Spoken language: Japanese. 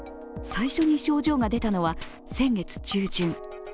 最初に症状が出たのは先月中旬。